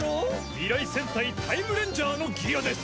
未来戦隊タイムレンジャーのギアです！